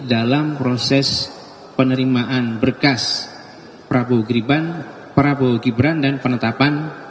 dalam proses penerimaan berkas prabowo griban prabowo gibran dan penetapan